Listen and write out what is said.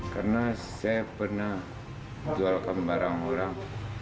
karena saya pernah menjualkan barang orang